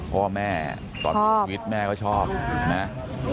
พ่อแม่ตอนบุคคลิปแม่ก็ชอบนะฮะ